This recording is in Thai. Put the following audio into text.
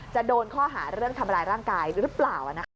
จะโดนข้อหาเรื่องทำร้ายร่างกายหรือเปล่า